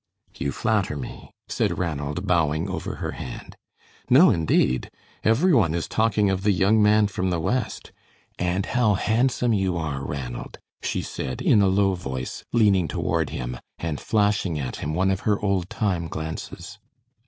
"You flatter me," said Ranald, bowing over her hand. "No, indeed. Every one is talking of the young man from the West. And how handsome you are, Ranald," she said, in a low voice, leaning toward him, and flashing at him one of her old time glances.